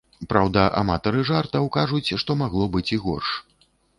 Праўда, аматары жартаў кажуць, што магло быць і горш.